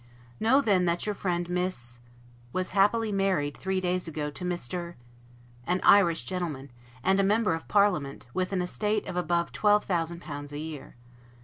Know then that your friend Miss was happily married, three days ago, to Mr. , an Irish gentleman, and a member of that parliament, with an estate of above L2,000 a year.